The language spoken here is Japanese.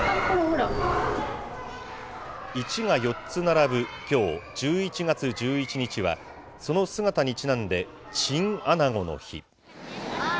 １が４つ並ぶきょう１１月１１日は、その姿にちなんで、チンアナゴの日。